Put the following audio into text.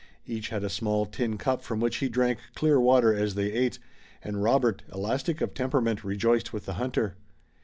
Each had a small tin cup from which he drank clear water as they ate, and Robert, elastic of temperament, rejoiced with the hunter.